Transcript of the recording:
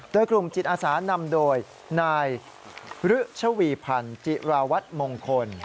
โดยกลุ่มจิตอาสานำโดยนายฤชวีพันธ์จิราวัตรมงคล